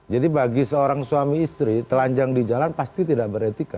jadi bagi seorang suami istri telanjang di jalan pasti tidak beretika